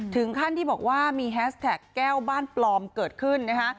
ถึงขั้นที่บอกว่ามีแฮสแท็กแก้วบ้านปลอมเกิดขึ้นนะคะ